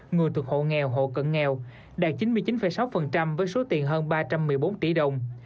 người thuộc hộ nghèo hộ cận nghèo đạt chín mươi chín sáu với số tiền hơn ba trăm một mươi bốn tỷ đồng